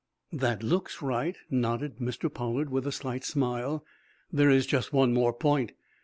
"That looks right," nodded Mr. Pollard, with a slight smile. "There is just one more point.